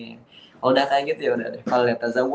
kalau udah kayak gitu yaudah deh